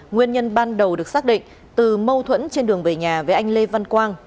nguyên nhân ban đầu được xác định từ mâu thuẫn trên đường về nhà với anh lê văn quang